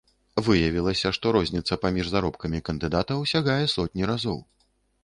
Выявілася, што розніца паміж заробкамі кандыдатаў сягае сотні разоў.